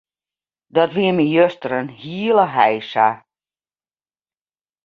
Dat wie my juster in hiele heisa.